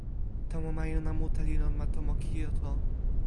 tomo majuna mute li lon ma tomo Kijoto.